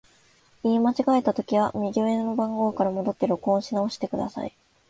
言い間違えたときは、右上の番号から戻って録音し直してください。